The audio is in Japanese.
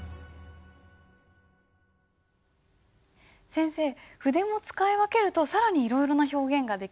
先生筆も使い分けると更にいろいろな表現ができそうですね。